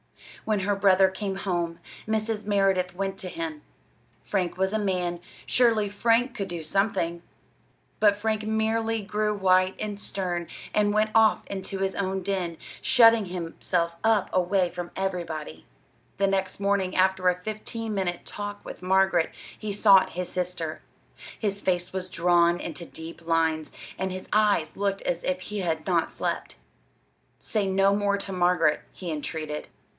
When her brother came home, Mrs. Merideth went to him. Frank was a man: surely Frank could do something! But Frank merely grew white and stern, and went off into his own den, shutting himself up away from everybody. The next morning, after a fifteen minute talk with Margaret, he sought his sister. His face was drawn into deep lines, and his eyes looked as if he had not slept. "Say no more to Margaret," he entreated.